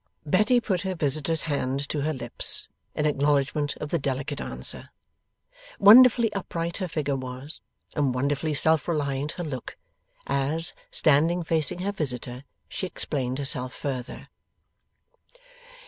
Betty put her visitor's hand to her lips, in acknowledgment of the delicate answer. Wonderfully upright her figure was, and wonderfully self reliant her look, as, standing facing her visitor, she explained herself further.